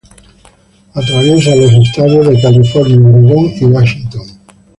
Atraviesa los estados de California, Oregón y Washington.